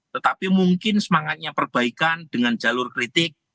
tetapi mungkin semangatnya perbaikan dengan jalur kritik